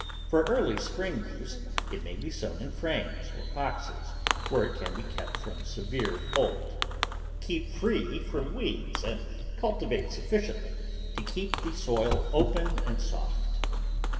For early spring use, it may be so svn in frames or boxes, where it can be kept from severe cold. Keep free from weeds and cultivate sufficiently to keep the soil open and soft.